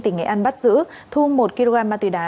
tỉnh nghệ an bắt giữ thu một kg ma túy đá